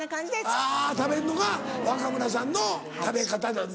あぁ食べんのが若村さんの食べ方なんだ。